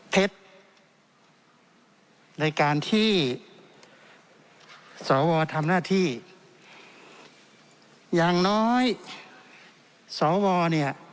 เท็จในการที่สวทำหน้าที่อย่างน้อยสวเนี่ย